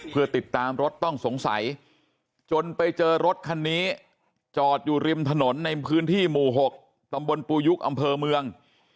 เพื่อติดตามรถต้องสงสัยจนไปเจอรถคันนี้จอดอยู่ริมถนนในพื้นที่หมู่๖ตำบลปูยุคอำเภอเมือง